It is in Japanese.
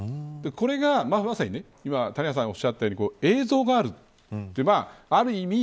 これがまさに今、谷原さんおっしゃったように映像がある。